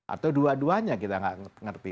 atau dua duanya kita nggak ngerti